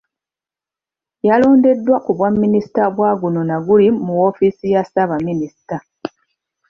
Yalondeddwa ku bwa Minisita bwa guno na guli mu woofiisi ya Ssaabaminisita.